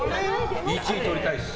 １位とりたいです。